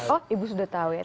oh ibu sudah tahu ya